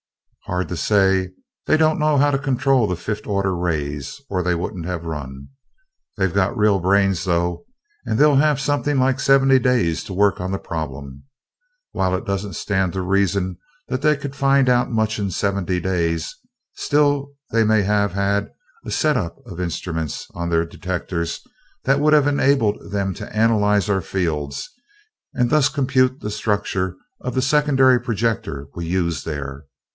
"Hard to say. They didn't know how to control the fifth order rays, or they wouldn't have run. They've got real brains, though, and they'll have something like seventy days to work on the problem. While it doesn't stand to reason that they could find out much in seventy days, still they may have had a set up of instruments on their detectors that would have enabled them to analyze our fields and thus compute the structure of the secondary projector we used there.